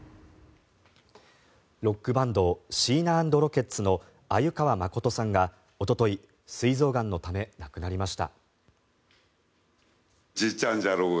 ロックバンドシーナ＆ロケッツの鮎川誠さんがおととい、すい臓がんのため亡くなりました。